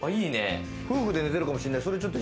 夫婦で寝てるかもしれない。